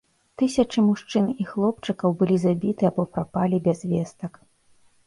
Тысячы мужчын і хлопчыкаў былі забіты або прапалі без вестак.